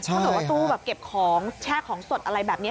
เพราะถึงว่าตู้เก็บของแช่ของสดอะไรแบบนี้